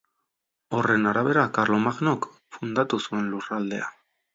Horren arabera, Karlomagnok fundatu zuen lurraldea.